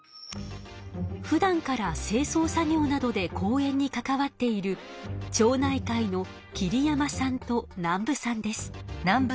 ふだんから清そう作業などで公園に関わっている町内会の桐山さんと南部さんです。